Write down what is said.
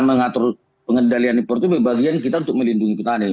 mengatur pengendalian impor itu bagian kita untuk melindungi petani